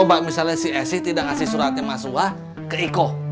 coba misalnya si esi tidak ngasih suratnya mas uah ke iko